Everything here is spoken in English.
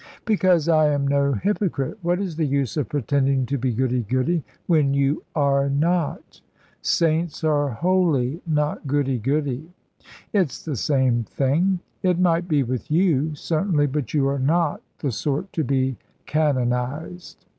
"Because I am no hypocrite. What is the use of pretending to be goody goody, when you are not?" "Saints are holy, not goody goody." "It's the same thing." "It might be with you, certainly. But you are not the sort to be canonised."